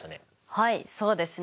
はいそうですね。